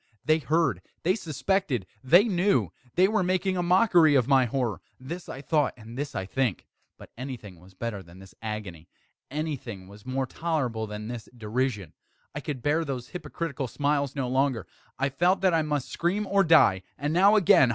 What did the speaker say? They heard! they suspected! they knew! they were making a mockery of my horror! this I thought, and this I think. But anything was better than this agony! Anything was more tolerable than this derision! I could bear those hypocritical smiles no longer! I felt that I must scream or die! and now again!